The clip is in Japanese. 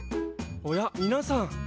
おやみなさん。